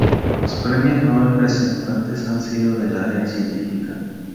Los premio nobel presentes han sido del área científica.